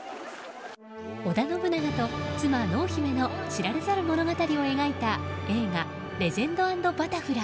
織田信長と妻・濃姫の知られざる物語を描いた映画「レジェンド＆バタフライ」。